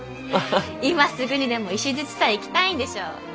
今すぐにでも石山行きたいんでしょう？